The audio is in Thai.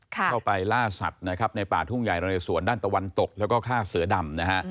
เข้าไปล่าสัตว์นะครับในป่าทุ่งใหญ่นะเรสวนด้านตะวันตกแล้วก็ฆ่าเสือดำนะฮะ